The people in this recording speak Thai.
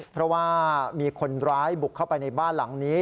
เพราะว่ามีคนร้ายบุกเข้าไปในบ้านหลังนี้